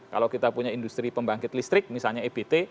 kalau kita punya industri pembangkit listrik misalnya ebt